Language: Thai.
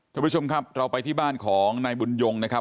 ทุกผู้ชมครับเราไปที่บ้านของนายบุญยงนะครับ